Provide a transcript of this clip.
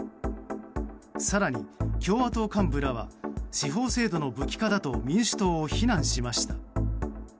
更に、共和党幹部らは司法制度の武器化だと民主党を非難しました。